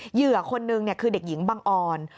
เหยื่อคนนึงคือเด็กหญิงบังออน